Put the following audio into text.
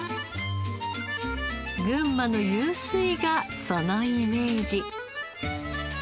群馬の湧水がそのイメージ。